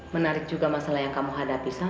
menarik juga masalah yang kamu hadapi